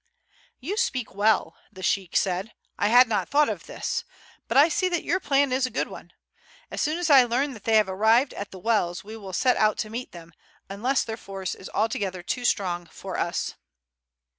"You speak well," the sheik said. "I had not thought of this; but I see that your plan is a good one. As soon as I learn that they have arrived at the wells we will set out to meet them unless their force is altogether too strong for us."